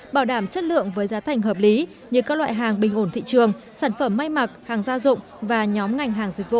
bảo đảm chất lượng với giá thành hợp lý như các loại hàng bình ổn thị trường sản phẩm may mặc hàng gia dụng và nhóm ngành hàng dịch vụ